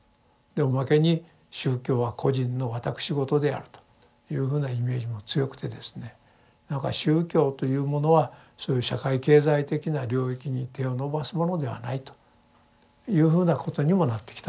おまけに宗教は個人の私事であるというふうなイメージも強くてですねなんか宗教というものはそういう社会経済的な領域に手を伸ばすものではないというふうなことにもなってきたんでしょう。